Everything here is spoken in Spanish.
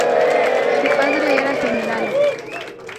Su padre era general.